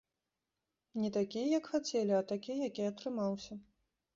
Не такі, як хацелі, а такі, які атрымаўся.